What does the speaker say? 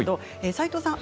斎藤さん